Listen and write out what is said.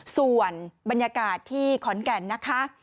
ส่วนบรรยากาศที่ขอนแก่นนะคะ